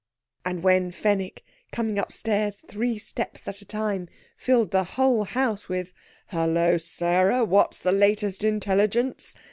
And when Fenwick, coming upstairs three steps at a time, filled the whole house with "Hullo, Sarah! what's the latest intelligence?"